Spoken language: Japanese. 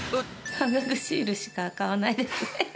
半額シールしか買わないですね。